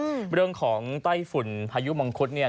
อืมเรื่องของไต้ฝุ่นพายุมังคุดเนี้ย